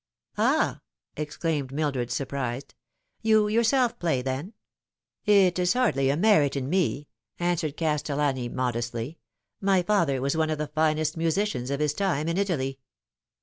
"Ah!" exclaimed Mildred, surprised, "you yourself play, then ?"" It is hardly a merit in me," answered Castellani modestly ; "my father was one of the finest musicians of his time in Italy."